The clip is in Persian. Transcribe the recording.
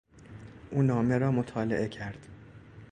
او نامه را مطالعه کرد.